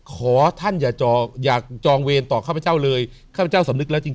ขอท่านอย่าจองอย่าจองเวรต่อข้าพเจ้าเลยข้าพเจ้าสำนึกแล้วจริง